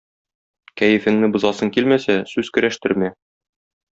Кәефеңне бозасың килмәсә сүз көрәштермә.